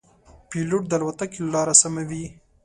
پیلوټ د الوتکې لاره سموي.